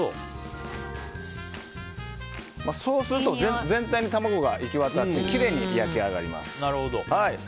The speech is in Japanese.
そうすると全体に卵が行き渡ってきれいに焼き上がります。